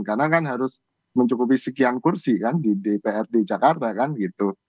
karena kan harus mencukupi sekian kursi kan di dpr di jakarta kan gitu